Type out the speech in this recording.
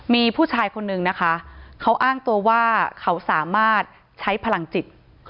มีผู้ชายคนนึงนะคะเขาอ้างตัวว่าเขาสามารถใช้พลังจิต